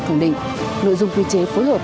khẳng định nội dung quy chế phối hợp